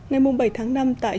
ngày bảy tháng năm tại